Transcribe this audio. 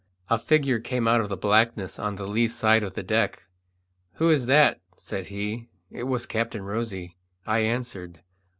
A figure came out of the blackness on the lee side of the deck. "Who is that?" said he. It was Captain Rosy. I answered.